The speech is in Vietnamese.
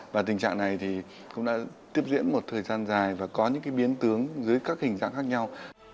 và tình trạng này thì cũng đã tiếp diễn một thời gian dài và có những biến tướng dưới các hình dạng khác nhau